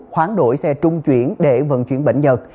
khoáng đổi xe trung chuyển để vận chuyển bệnh giật